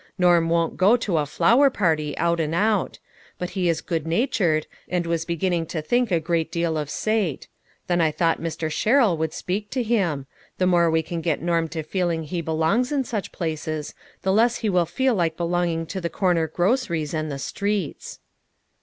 Norm won't go to a flower party, out and out ; but he is good natured, and was beginning to think a great deal of Sate ; then I thought Mr. SheiTill would speak to him. The more we can get Norm to feeling he be longs in such places, the less he will feel. like be longing to the corner groceries, and the streets."